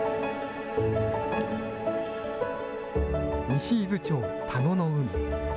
西伊豆町田子の海。